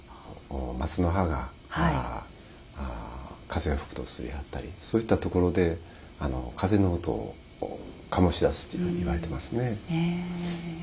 松の葉が風が吹くとする音やったりそういったところで風の音を醸し出すっていうふうにいわれてますね。